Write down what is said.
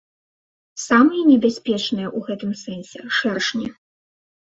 Самыя небяспечныя ў гэтым сэнсе шэршні.